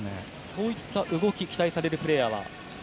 そういった動き期待されるプレーヤーは？